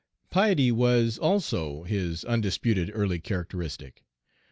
Piety was, also, his undisputed early characteristic.